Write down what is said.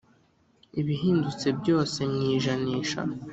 Ibihindutse byose mu ijanisha